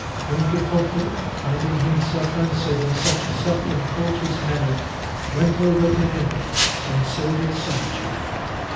Don Quixote, finding himself answered in such a soft and courteous manner, went over to him, and so did Sancho.